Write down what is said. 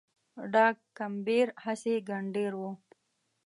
ډاګ کمبېر هسي ګنډېر و